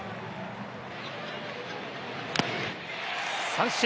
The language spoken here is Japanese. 三振！